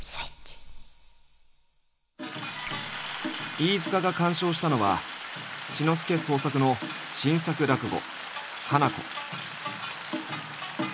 飯塚が鑑賞したのは志の輔創作の新作落語「ハナコ」。